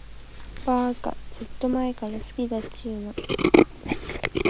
ばーか、ずーっと前から好きだっちゅーの。